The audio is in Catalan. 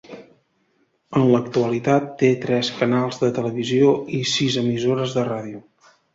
En l'actualitat té tres canals de televisió i sis emissores de ràdio.